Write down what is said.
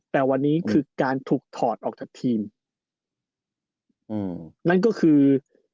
แต่วันนี้คือการถูกถอดออกจากทีมอืมนั่นก็คือ